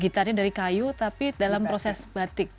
gitarnya dari kayu tapi dalam proses batik